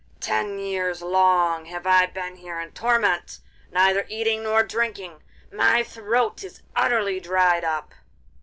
Ten years long have I been here in torment, neither eating nor drinking; my throat is utterly dried up.